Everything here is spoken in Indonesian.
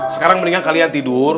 sekarang mendingan kalian tidur